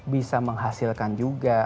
bisa menghasilkan juga